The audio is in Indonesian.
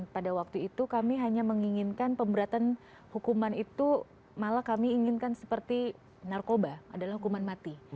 pada waktu itu kami hanya menginginkan pemberatan hukuman itu malah kami inginkan seperti narkoba adalah hukuman mati